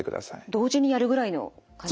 同時にやるぐらいの感じですね。